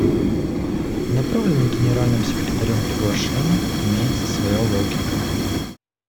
В направленных Генеральным секретарем приглашениях имеется своя логика.